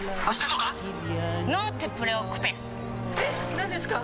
何ですか？